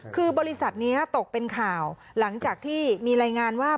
คือบริษัทนี้ตกเป็นข่าวหลังจากที่มีรายงานว่า